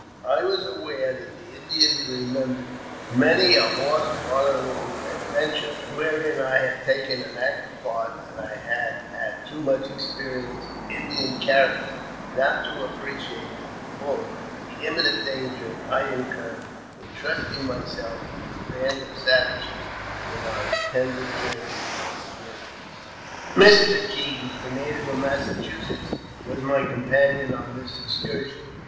I was aware that the Indians remembered many a horse 6or r owing adventure wherein I had taken an active part, and I had had too much experience of Indian character not to appreciate to the full the imminent danger I incurred in trust ing myself with this band of savages in our intended journey . across the wilderness. , Mr. Kean, a native of Massachusetts, was my companion on \ this excursion.